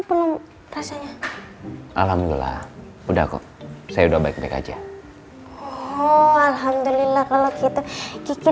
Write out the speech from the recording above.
belum rasanya alhamdulillah udah kok saya udah baik baik aja oh alhamdulillah kalau kita kici